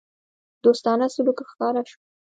دوستانه سلوک ښکاره شو.